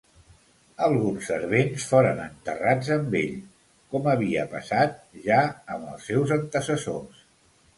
Alguns servents foren enterrats amb ell, com havia passat ja amb els seus antecessors.